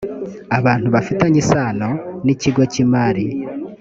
abantu bafitanye isano n’ ikigo cy’ imari